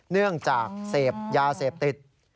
เนื่องจากเสพยาเสพติด